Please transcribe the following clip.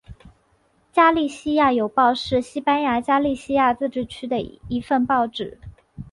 加利西亚邮报是西班牙加利西亚自治区的一份报纸。